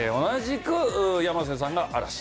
同じく山瀬さんが嵐。